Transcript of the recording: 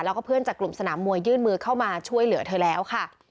แล้วก็เพื่อนจากกลุ่มสนามมวยยื่นมือเข้ามาช่วยเหลือเธอแล้วค่ะ